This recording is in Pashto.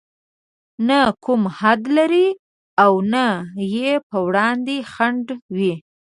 نه کوم حد لري او نه يې پر وړاندې خنډ وي.